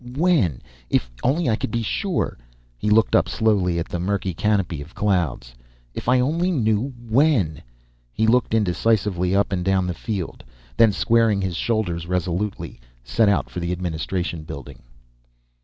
When? If only I could be sure._ He looked up slowly at the murky canopy of clouds. If I only knew when! He looked indecisively up and down the field, then squaring his shoulders resolutely, set out for the administration building.